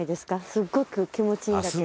すっごく気持ちいいんだけど。